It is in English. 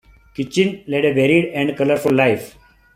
Kitchin led a varied and colourful life.